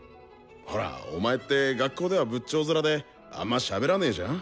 ほらお前って学校では仏頂面であんましゃべらねじゃん？